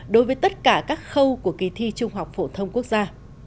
đối với tất cả các khâu của kỳ thi trung học phổ thông quốc gia